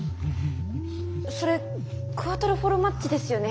それクアトロフォルマッジですよね？